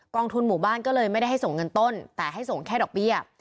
องทุนหมู่บ้านก็เลยไม่ได้ให้ส่งเงินต้นแต่ให้ส่งแค่ดอกเบี้ย